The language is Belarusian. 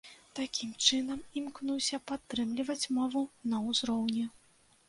Такім чынам імкнуся падтрымліваць мову на ўзроўні.